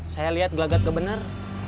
saya liat gagat gak bener